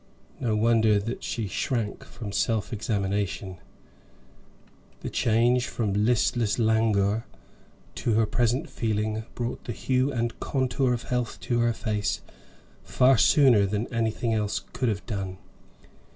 No wonder that she shrank from self examination. The change from listless languor to her present feeling brought the hue and contour of health to her face far sooner than anything else could have done.